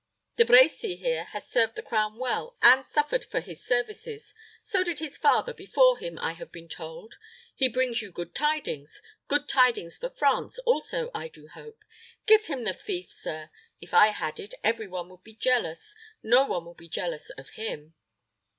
De Brecy here has served the crown well, and suffered for his services. So did his father before him, I have been told. He brings you good tidings good tidings for France also, I do hope. Give him the fief, sir. If I had it, every one would be jealous. No one will be jealous of him."